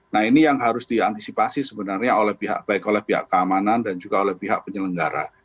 nah ini yang harus diantisipasi sebenarnya baik oleh pihak keamanan dan juga oleh pihak penyelenggara